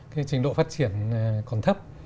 cái trình độ phát triển còn thấp